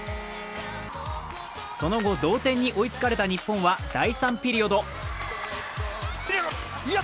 その後同点に追いつかれた日本は第３ピリオド。